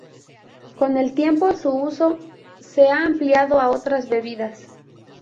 Con el tiempo su uso se ha ampliado a otras bebidas.